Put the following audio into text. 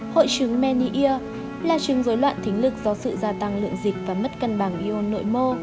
hội chứng meni là chứng dối loạn thính lực do sự gia tăng lượng dịch và mất cân bằng ion nội mô